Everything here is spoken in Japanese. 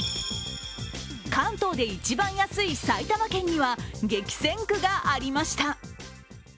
関東で一番安い埼玉県には激戦区がありました。